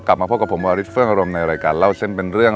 กลับมาพบกับผมวาริสเฟื่องอารมณ์ในรายการเล่าเส้นเป็นเรื่อง